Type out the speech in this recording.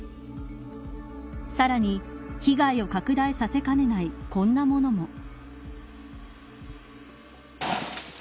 さらに被害を拡大させかねないこんなものも。